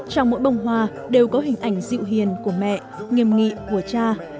trong mỗi bông hoa đều có hình ảnh dịu hiền của mẹ nghiêm nghị của cha